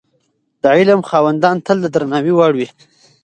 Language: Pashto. د علم خاوندان تل د درناوي وړ وي.